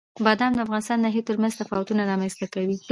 بادام د افغانستان د ناحیو ترمنځ تفاوتونه رامنځته کوي.